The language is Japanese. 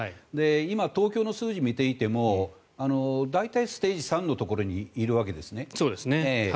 今、東京の数字を見ていても大体ステージ３のところにいるわけですね。